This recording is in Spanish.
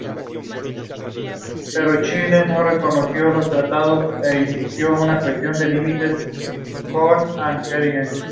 Sin embargo, otros autores se mostraron más críticos con el álbum.